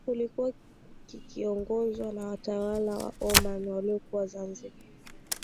kilikuwa kikiongozwa na watawala wa Oman waliokuwa Zanzibar